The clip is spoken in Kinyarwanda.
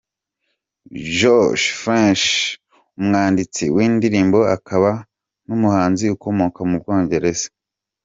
Josh Franceschi, umwanditsi w’indirimbo akaba n’umuhanzi ukomoka mu Bwongereza.